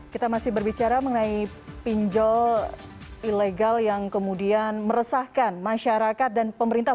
kita masih berbicara mengenai pinjol ilegal yang kemudian meresahkan masyarakat dan pemerintah